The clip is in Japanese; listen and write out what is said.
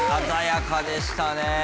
鮮やかでしたね！